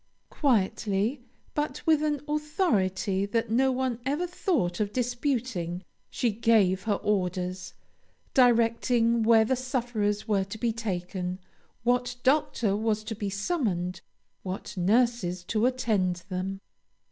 Quietly, but with an authority that no one ever thought of disputing, she gave her orders, directing where the sufferers were to be taken, what doctor was to be summoned, what nurses to attend them.